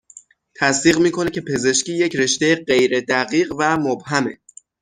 تصدیق میکنه که پزشکی یک رشته غیر دقیق و مبهمه